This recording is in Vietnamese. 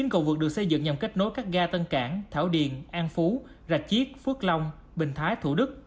cầu vực được xây dựng nhằm kết nối các ga tân cản thảo điền an phú rạch chiết phước long bình thái thủ đức